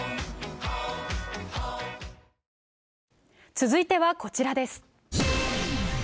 続いては、こちらです。